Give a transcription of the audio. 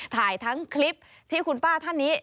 ถ่ายทั้งคลิปที่คุณป้าท่านนี้